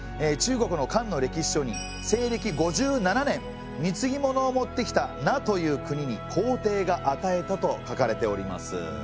中国の漢の歴史書に西暦５７年みつぎ物をもってきた奴という国に皇帝があたえたと書かれております。